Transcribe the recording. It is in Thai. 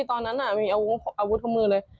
ตอนนั้นอ่ะมีเอาอาวุธครบมือเลย